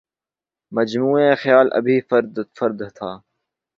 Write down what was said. مجموعہ خیال ابھی فرد فرد تھا